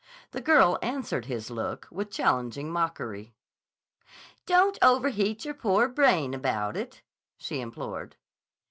The girl answered his look with challenging mockery. "Don't overheat your poor brain about it," she implored.